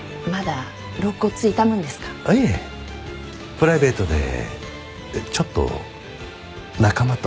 プライベートでちょっと仲間と。